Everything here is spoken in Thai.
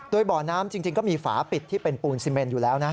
โดยบ่อน้ำจริงก็มีฝาปิดที่เป็นปูนซีเมนอยู่แล้วนะ